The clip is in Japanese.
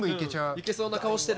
いけそうな顔してる。